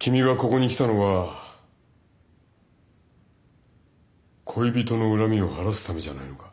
君がここに来たのは恋人の恨みを晴らすためじゃないのか？